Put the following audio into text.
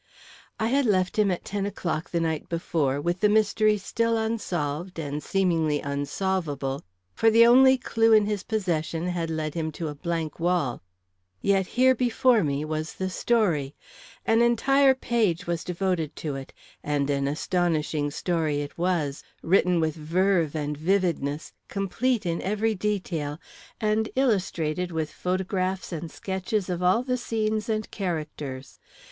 I had left him at ten o'clock the night before, with the mystery still unsolved and seemingly unsolvable, for the only clue in his possession had led him to a blank wall. Yet here before me was the story. An entire page was devoted to it and an astonishing story it was, written with verve and vividness, complete in every detail, and illustrated with photographs and sketches of all the scenes and characters.